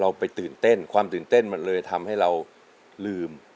ไปตื่นเต้นความตื่นเต้นมันเลยทำให้เราลืม